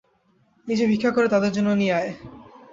নিজে ভিক্ষা করে তাদের জন্য নিয়ে আয়।